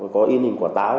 có yên hình quả táo